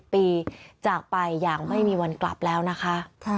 ปีจากไปอย่างไม่มีวันกลับแล้วนะคะ